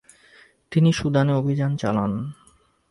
তিনি সুদানে অভিযান চালান।